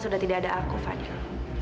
sudah tidak ada aku fadil